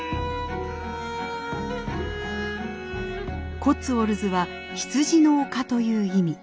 コッツウォルズは「羊の丘」という意味。